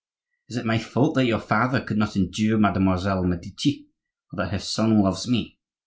Is it my fault that your father could not endure Mademoiselle Medici or that his son loves me?